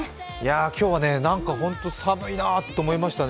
今日は、本当に寒いなと思いましたね。